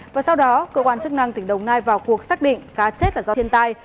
và sau đó cơ quan chức năng tỉnh đồng nai vào cuộc xác định cá chết là do thiên tai